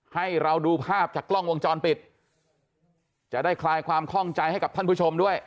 ให้เราดูภาพจากกล้องวงจรปิดจะได้คลายความคล่องใจให้กับท่านผู้ชมด้วย